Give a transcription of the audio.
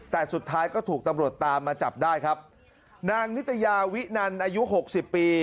แต่สุดท้ายก็ถูกตำรวจตามมาจับได้ครับนางนิตยาวินันอายุหกสิบปี